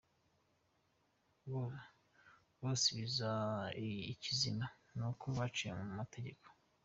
bose ikizima ni uko baciye mu mategeko.”